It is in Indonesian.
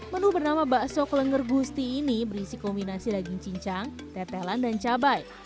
menu bernama bakso kelenger gusti ini berisi kombinasi daging cincang tetelan dan cabai